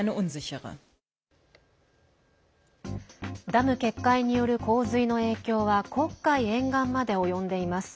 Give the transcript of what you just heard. ダム決壊による洪水の影響は黒海沿岸まで及んでいます。